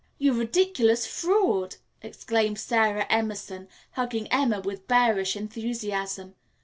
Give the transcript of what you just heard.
"You ridiculous fraud!" exclaimed Sara Emerson, hugging Emma with bearish enthusiasm.